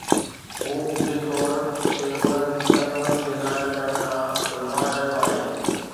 هو عمدي طور تي انهن پهلوئن کي ظاهر ڪرڻ کان لنوائي رهيو آهي.